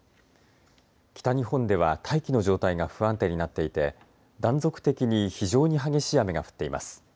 北日本では大気の状態が不安定になっていて断続的に非常に激しい雨が降っています。